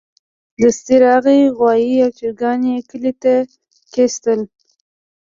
دستي راغی غوايي او چرګان يې کلي ته کېستل.